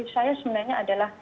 saya sebenarnya adalah